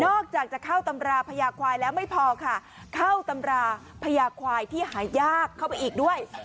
จากจะเข้าตำราพญาควายแล้วไม่พอค่ะเข้าตำราพญาควายที่หายากเข้าไปอีกด้วย